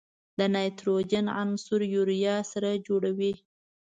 د نایتروجن عنصر یوریا سره جوړوي.